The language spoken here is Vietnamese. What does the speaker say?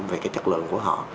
về cái chất lượng của họ